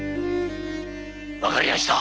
わかりました。